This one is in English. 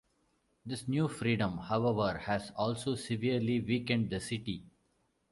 This new freedom, however, has also severely weakened the city.